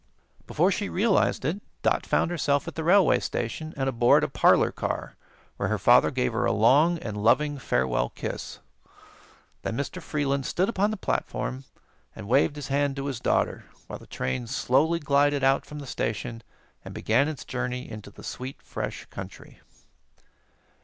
Before she realized it, Dot found herself at the railway station and aboard a parlor car, where her father gave her a long and loving farewell kiss. Then Mr. Freeland stood upon the platform and waved his hand to his daughter, while the train slowly glided out from the station and began its journey into the sweet, fresh country.